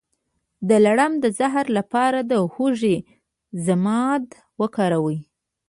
د لړم د زهر لپاره د هوږې ضماد وکاروئ